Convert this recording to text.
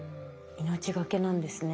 命懸けなんですね。